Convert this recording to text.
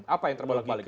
apa yang terbolak balik